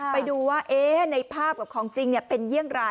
ไปดูว่าเอ๊ะในภาพกับของจริงเป็นเยี่ยมไร